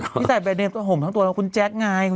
พี่ใส่แบรนด์เนมก็ห่มทั้งตัวเราคุณแจ๊กไง